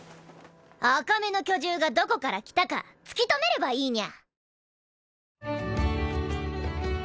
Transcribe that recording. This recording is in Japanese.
赤目の巨獣がどこから来たか突き止めればいいニャ。